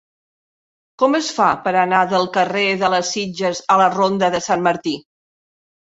Com es fa per anar del carrer de les Sitges a la ronda de Sant Martí?